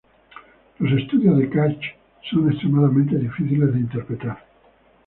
Los estudios de Cage son extremadamente difíciles de interpretar.